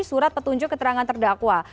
surat petunjuk keterangan terdakwa